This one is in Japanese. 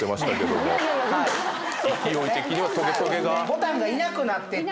牡丹がいなくなってて。